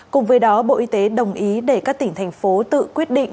cùng với đó bộ y tế đồng ý để các tỉnh thành phố tự quyết định